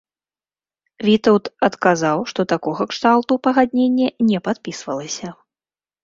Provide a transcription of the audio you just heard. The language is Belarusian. Вітаўт адказаў, што такога кшталту пагадненне не падпісвалася.